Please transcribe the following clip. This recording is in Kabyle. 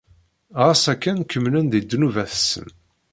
Ɣas akken, kemmlen di ddnubat-nsen.